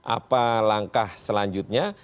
apa langkah selanjutnya